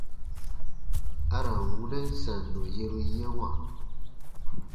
A ra n wunɛn sannɔ yeru yɛ̃wa.